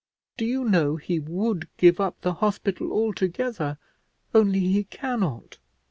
Do you know he would give up the hospital altogether, only he cannot.